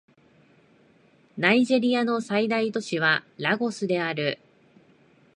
ナイジェリアの最大都市はラゴスである